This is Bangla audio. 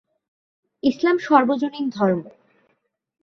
ইসলাম সর্বজনীন ধর্ম।